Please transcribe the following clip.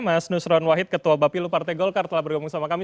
mas nusron wahid ketua bapilu partai golkar telah bergabung sama kami